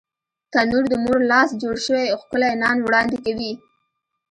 تنور د مور لاس جوړ شوی ښکلی نان وړاندې کوي